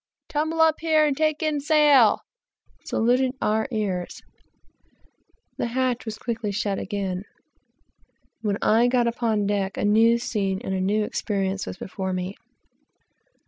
tumble up here and take in sail," saluted our ears, and the hatch was quickly shut again. When I got upon deck, a new scene and a new experience were before me.